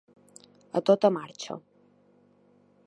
A tota marxa.